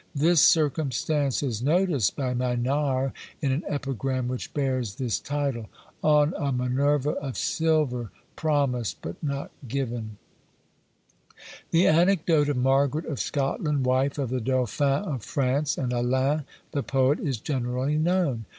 This circumstance is noticed by Maynard in an epigram, which bears this title: On a Minerva of silver, promised but not given. The anecdote of Margaret of Scotland, wife of the Dauphin of France, and Alain the poet, is generally known.